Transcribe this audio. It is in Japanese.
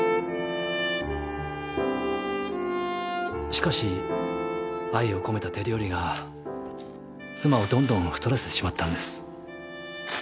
しかし愛を込めた手料理が妻をどんどん太らせてしまったんです。